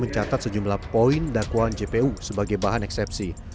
mencatat sejumlah poin dakwaan jpu sebagai bahan eksepsi